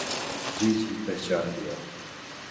جی جی پہچان لیا۔